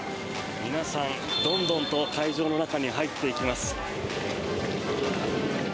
皆さん、どんどんと会場の中に入っていきます。